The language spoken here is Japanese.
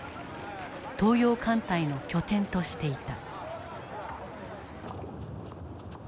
東洋艦隊の拠点としていた。